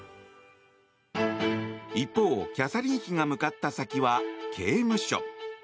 一方、キャサリン妃が向かった先は刑務所。